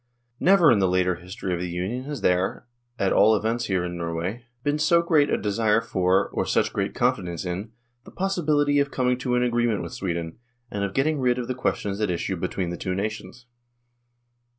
Never in the later history of the Union has there, at all events here in Norway, been so great a desire for, or such great confidence in, the possibility of coming to an agreement with Sweden, and of getting rid of the questions at issue between the two nations.